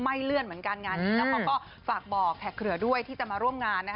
เลื่อนเหมือนกันงานนี้แล้วเขาก็ฝากบอกแขกเหลือด้วยที่จะมาร่วมงาน